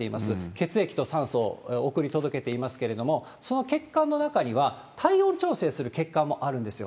血液と酸素を送り届けていますけれども、その血管の中には、体温調整する血管もあるんですよ。